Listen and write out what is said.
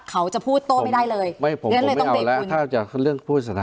เขาจะพูดโตไม่ได้เลยไม่ผมผมไม่เอาแล้วถ้าจะเรื่องพูดสถาบัน